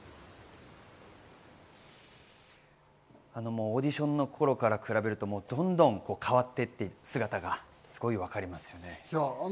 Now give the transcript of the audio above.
もうオーディションの頃から比べると、どんどん変わっていく姿がすごい分かりますよね。